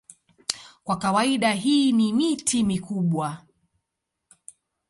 Kwa kawaida hii ni miti mikubwa.